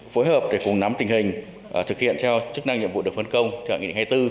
phối hợp để cùng nắm tình hình thực hiện theo chức năng nhiệm vụ được phân công theo nghị định hai mươi bốn